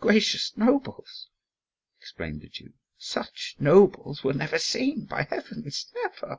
"Gracious nobles," exclaimed the Jew, "such nobles were never seen, by heavens, never!